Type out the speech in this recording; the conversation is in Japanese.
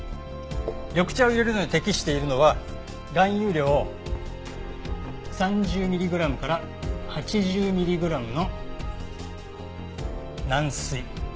緑茶を淹れるのに適しているのは含有量３０ミリグラムから８０ミリグラムの軟水。